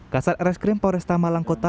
kasat riserse kriminal poresta malang kota